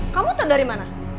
kamu tuh dari mana